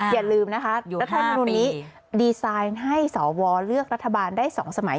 อย่าลืมนะคะรัฐมนุนนี้ดีไซน์ให้สวเลือกรัฐบาลได้๒สมัย